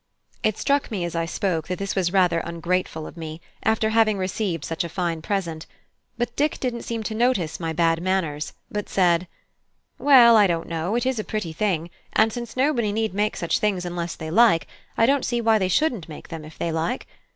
It struck me as I spoke that this was rather ungrateful of me, after having received such a fine present; but Dick didn't seem to notice my bad manners, but said: "Well, I don't know; it is a pretty thing, and since nobody need make such things unless they like, I don't see why they shouldn't make them, if they like.